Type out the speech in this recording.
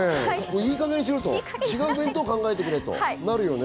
いい加減にしろと、違う弁当を考えてくれとなるよね。